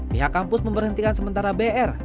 pihak kampus memberhentikan sementara br